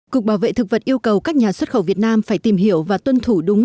cục bảo vệ thực vật yêu cầu các nhà xuất khẩu việt nam phải tìm hiểu và tuân thủ đúng